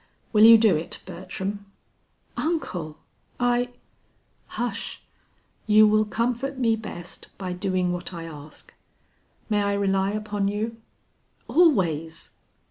Will you do it, Bertram?" "Uncle! I " "Hush! you will comfort me best by doing what I ask. May I rely upon you?" "Always."